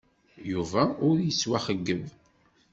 Yuba ur yettwaxeyyab.